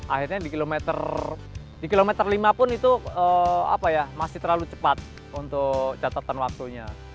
akhirnya di kilometer lima pun itu masih terlalu cepat untuk catatan waktunya